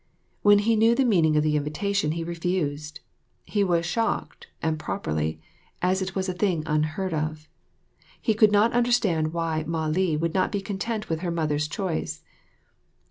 When he knew the meaning of the invitation he refused. He was shocked, and properly; as it was a thing unheard of. He could not understand why Mah li would not be content with her mother's choice.